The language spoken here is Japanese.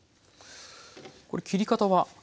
これ切り方は？